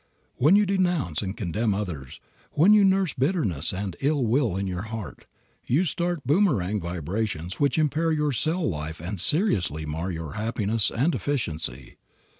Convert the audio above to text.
When you denounce and condemn others, when you nurse bitterness and ill will in your heart, you start boomerang vibrations which impair your cell life and seriously mar your happiness and efficiency.